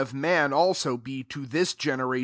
of man also, be to this genera tion.